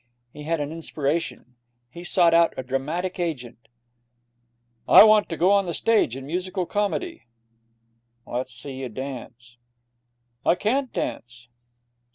He had an inspiration. He sought out a dramatic agent. 'I want to go on the stage, in musical comedy.' 'Let's see you dance.' 'I can't dance.'